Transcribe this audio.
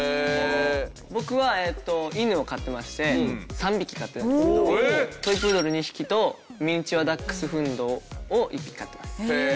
僕は犬を飼ってまして３匹飼ってるんですけどトイ・プードル２匹とミニチュア・ダックスフンドを１匹飼ってます。